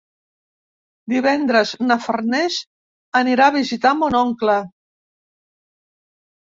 Divendres na Farners anirà a visitar mon oncle.